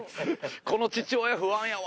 この父親不安やわ。